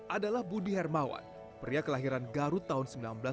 adalah budi hermawan pria kelahiran garut tahun seribu sembilan ratus sembilan puluh